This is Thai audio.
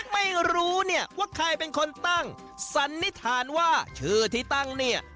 ไม่รู้เนี่ยว่าใครเป็นคนตั้งสันนิษฐานว่าชื่อที่ตั้งเนี่ย